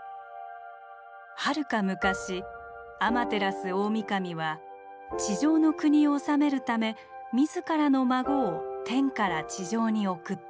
「はるか昔アマテラスオオミカミは地上の国を治めるため自らの孫を天から地上に送った。